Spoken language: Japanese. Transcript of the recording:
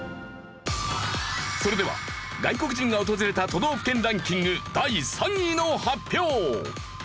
それでは外国人が訪れた都道府県ランキング第３位の発表。